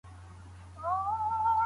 ژورنالیزم پوهنځۍ بې پوښتني نه منل کیږي.